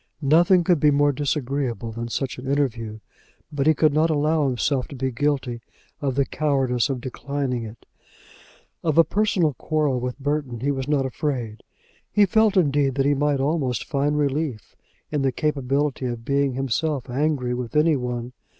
Nothing could be more disagreeable than such an interview, but he could not allow himself to be guilty of the cowardice of declining it. Of a personal quarrel with Burton he was not afraid. He felt, indeed, that he might almost find relief in the capability of being himself angry with any one.